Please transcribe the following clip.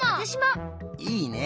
いいね。